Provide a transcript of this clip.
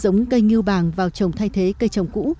giống cây ngưu bàng vào trồng thay thế cây trồng cũ